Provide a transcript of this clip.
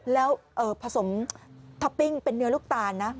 แล้วผสมท็อปปิ้งเป็นเนื้อลูกตาลนะ